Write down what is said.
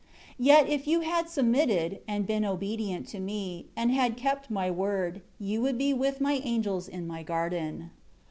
3 Yet, if you had submitted, and been obedient to Me, and had kept My Word, you would be with My angels in My garden.